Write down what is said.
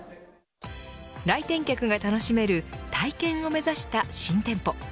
来店客が楽しめる体験を目指した新店舗。